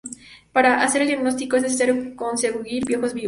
Para hacer el diagnóstico, es necesario conseguir piojos vivos.